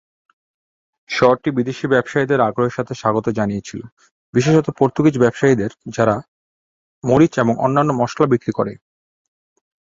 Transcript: শহরটি বিদেশী ব্যবসায়ীদের আগ্রহের সাথে স্বাগত জানিয়েছিল, বিশেষত পর্তুগিজ ব্যবসায়ীদের যারা মরিচ এবং অন্যান্য মশলা বিক্রি করে।